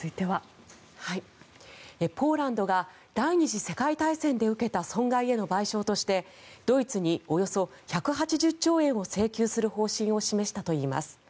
ポーランドが第２次世界大戦で受けた損害への賠償としてドイツにおよそ１８０兆円を請求する方針を示したといいます。